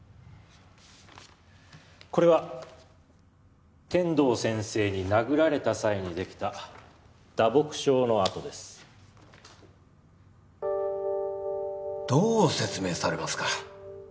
これは天堂先生に殴られた際にできた打撲傷の痕ですどう説明されますか？